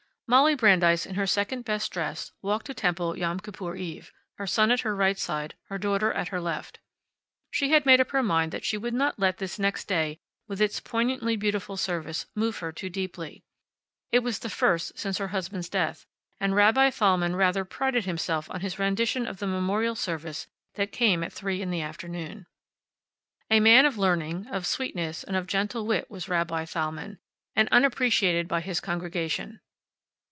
Molly Brandeis, in her second best dress, walked to temple Yom Kippur eve, her son at her right side, her daughter at her left. She had made up her mind that she would not let this next day, with its poignantly beautiful service, move her too deeply. It was the first since her husband's death, and Rabbi Thalmann rather prided himself on his rendition of the memorial service that came at three in the afternoon. A man of learning, of sweetness, and of gentle wit was Rabbi Thalmann, and unappreciated by his congregation.